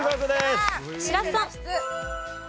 白洲さん。